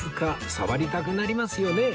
触りたくなりますよね